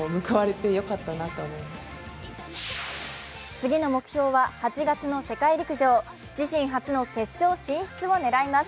次の目標は８月の世界陸上自身初の決勝進出を狙います。